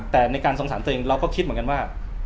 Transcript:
แต่ในการสงสารตัวเองเราก็คิดเหมือนกันว่า